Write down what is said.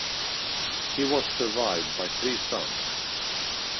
He was survived by three sons.